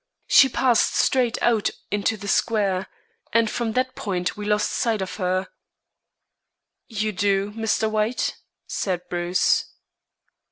She passed straight out into the square, and from that point we lost sight of her." "You do, Mr. White?" said Bruce.